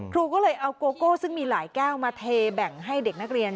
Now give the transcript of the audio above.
ครูก็เลยเอาโกโก้ซึ่งมีหลายแก้วมาเทแบ่งให้เด็กนักเรียน